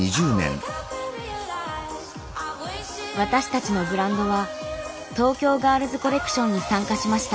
私たちのブランドは東京ガールズコレクションに参加しました。